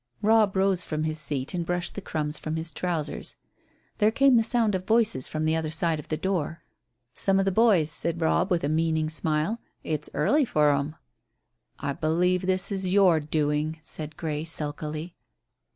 Robb rose from his seat and brushed the crumbs from his trousers. There came the sound of voices from the other side of the door. "Some of the boys," said Robb, with a meaning smile. "It's early for 'em." "I believe this is your doing," said Grey sulkily.